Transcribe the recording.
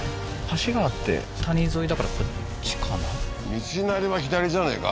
道なりは左じゃねえか？